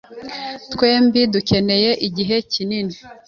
Twembi dukeneye igihe kinini.